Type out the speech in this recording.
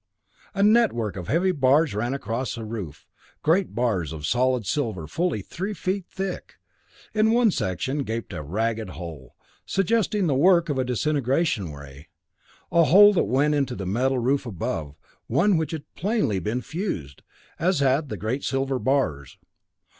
A network of heavy bars ran across the roof, great bars of solid silver fully three feet thick. In one section gaped a ragged hole, suggesting the work of a disintegration ray, a hole that went into the metal roof above, one which had plainly been fused, as had the great silver bars.